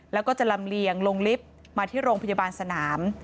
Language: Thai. แล้วก็จะลำเลียงลงลิฟต์มาที่โรงพยาบาลสนาม